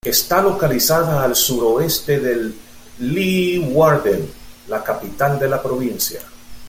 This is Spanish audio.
Está localizada al suroeste de Leeuwarden, la capital de la provincia.